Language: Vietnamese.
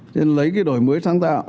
nên lấy cái đổi mới sáng tạo